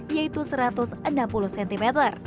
yaitu satu ratus enam puluh cm